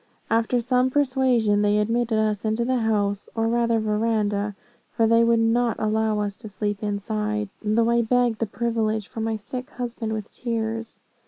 After some persuasion they admitted us into the house, or rather verandah, for they would not allow us to sleep inside, though I begged the privilege for my sick husband with tears.